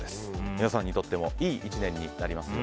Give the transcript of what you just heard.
皆さんにとってもいい１年になりますように。